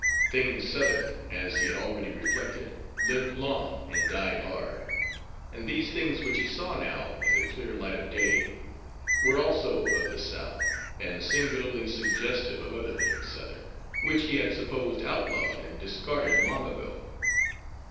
Things Southern, as he had already reflected, lived long and died hard, and these things which he saw now in the clear light of day, were also of the South, and singularly suggestive of other things Southern which he had supposed outlawed and discarded long ago.